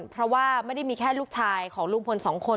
เพราะว่าไม่ได้มีแค่ลูกชายของลุงพลสองคน